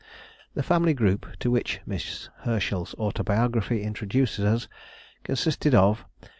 _] The family group to which Miss Herschel's autobiography introduces us consisted of— 1.